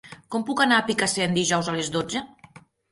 Com puc anar a Picassent dijous a les dotze?